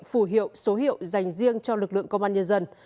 phù hiệu số hiệu dành riêng cho lực lượng công an nhân dân